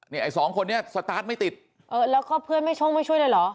ไอ้สองคนนี้สตาร์ทไม่ติดเออแล้วก็เพื่อนไม่ช่องไม่ช่วยเลยเหรอ